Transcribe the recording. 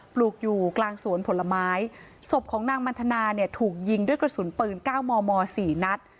ปลูกอยู่กลางสวนผลไม้ศพของนางมันทนาถูกยิงด้วยกระสุนปืน๙มม๔นัฐ